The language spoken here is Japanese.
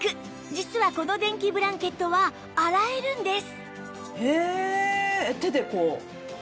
実はこの電気ブランケットは洗えるんです